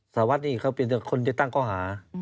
สหวัดนี้เขาเป็นคนที่ตั้งก้อหา